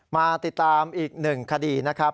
มาติดตามอีกหนึ่งคดีนะครับ